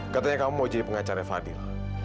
katanya kamu mau jadi pengacara fadil